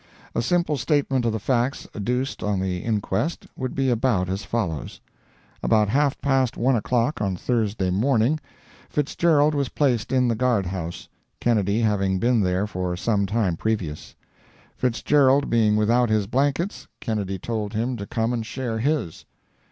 A simple statement of the facts adduced on the inquest would be about as follows: About half past one o'clock on Thursday morning, Fitzgerald was placed in the guard house, Kennedy having been there for some time previous. Fitzgerald being without his blankets, Kennedy told him to come and share his.